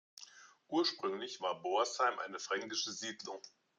Ursprünglich war Boisheim eine fränkische Siedlung.